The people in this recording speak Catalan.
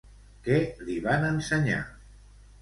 Què li van ensenyar?